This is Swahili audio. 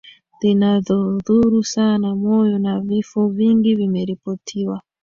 zinazodhuru sana moyo na vifo vingi vimeripotiwa